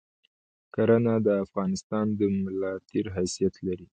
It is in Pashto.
کرهنه د افغانستان د ملاتیر حیثیت لری